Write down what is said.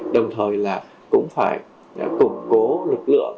đồng thời cũng phải củng cố lực lượng